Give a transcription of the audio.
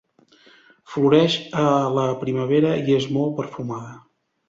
Floreix a la primavera i és molt perfumada.